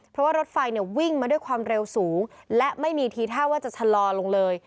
เพราะว่ารถไฟเนี่ยวิ่งมาด้วยความเร็วสูงและไม่มีทีท่าว่าจะชะลอลงเลย